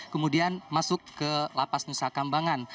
kemudian masuk ke lapas nusa kambangan